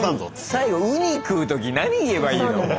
最後ウニ食う時何言えばいいのもう。